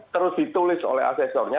terus ditulis oleh asesornya